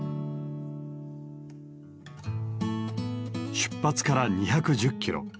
出発から２１０キロ